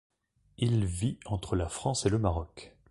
Il vit entre la France et le Maroc.